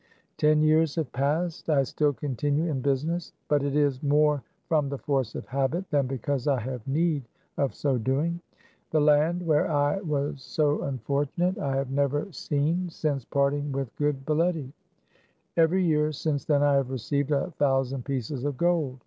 Ten years have passed. I still continue in Q ^, business. But it is more from the force of habit % than because I have need of so doing. That land where I was so unfortunate I have never seen since parting with good Baletty. Every year since then I have received a thou sand pieces of gold.